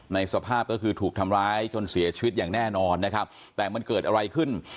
สภาพก็คือถูกทำร้ายจนเสียชีวิตอย่างแน่นอนนะครับแต่มันเกิดอะไรขึ้น